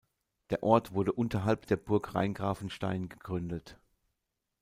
Der Ort wurde unterhalb der Burg Rheingrafenstein gegründet.